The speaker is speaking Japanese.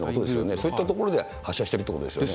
そういったところで発射してるとですよね、